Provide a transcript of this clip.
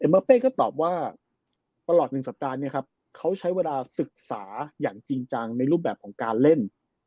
มาเป้ก็ตอบว่าตลอด๑สัปดาห์เนี่ยครับเขาใช้เวลาศึกษาอย่างจริงจังในรูปแบบของการเล่น